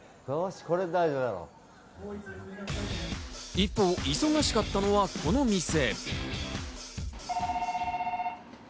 一方、忙しかったのはこの店。